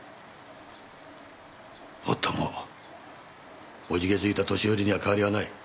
もっとも怖気づいた年寄りには変わりはない。